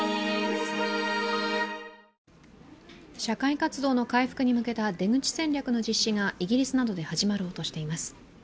社会活動の回復に向けた出口戦略の実施がイギリスなどで始まろうとしています。